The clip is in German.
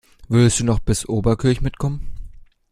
Würdest du noch bis Oberkirch mitkommen?